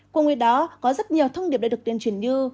cùng với đó có rất nhiều thông điệp đã được tuyên truyền như